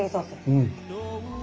うん。